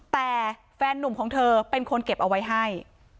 แต่แฟนนุ่มของเธอเป็นคนเก็บเอาไว้ให้